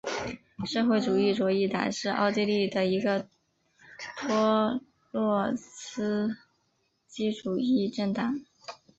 社会主义左翼党是奥地利的一个托洛茨基主义政党。